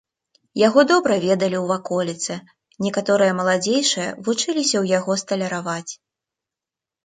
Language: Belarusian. Яго добра ведалі ў ваколіцы, некаторыя маладзейшыя вучыліся ў яго сталяраваць.